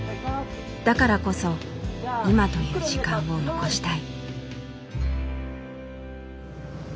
だからこそ今という時間を残したい。